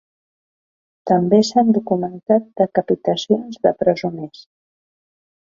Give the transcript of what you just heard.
També s'han documentat decapitacions de presoners.